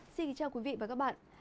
xin kính chào quý vị và các bạn